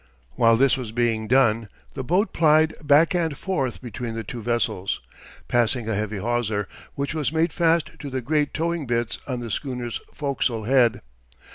While this was being done, the boat plied back and forth between the two vessels, passing a heavy hawser, which was made fast to the great towing bitts on the schooner's forecastle head.